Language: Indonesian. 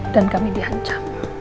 dan kami di ancam